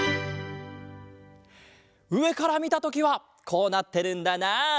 うえからみたときはこうなってるんだなあ。